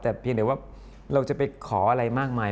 แต่เพียงแต่ว่าเราจะไปขออะไรมากมาย